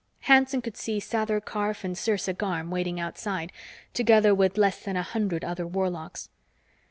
Hanson could see Sather Karf and Sersa Garm waiting outside, together with less than a hundred other warlocks.